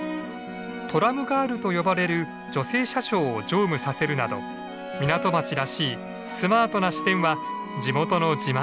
「トラムガール」と呼ばれる女性車掌を乗務させるなど港町らしいスマートな市電は地元の自慢でした。